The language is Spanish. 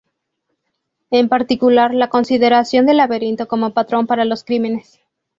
En particular la consideración del laberinto como patrón para los crímenes.